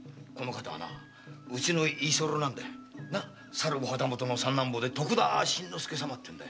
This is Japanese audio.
さるお旗本の三男坊で徳田新之助様ってんだ。